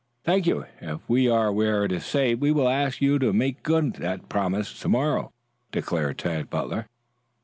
"Thank you. If we are where it is safe we will ask you to make good that promise to morrow," declared Tad Butler.